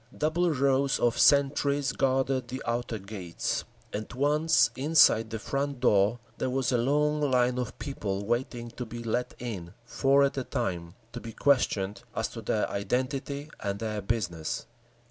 Double rows of sentries guarded the outer gates, and once inside the front door there was a long line of people waiting to be let in, four at a time, to be questioned as to their identity and their business.